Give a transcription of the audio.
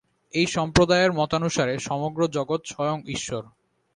এই সম্প্রদায়ের মতানুসারে সমগ্র জগৎ স্বয়ং ঈশ্বর।